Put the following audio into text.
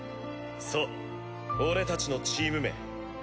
そう俺達のチーム名。